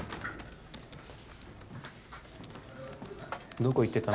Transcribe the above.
どこ行ってたの？